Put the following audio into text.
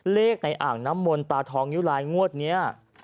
เลขในอ่างน้ำมนตาทองนิ้วไลน์งวดนี้